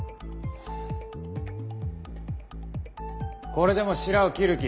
これでもしらを切る気？